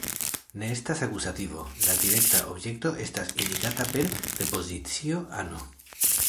Ne estas akuzativo, la direkta objekto estas indikata per prepozicio "ano".